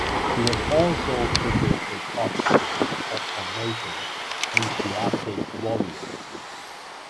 He was also previously part of the hip hop formation Asiatic Warriors.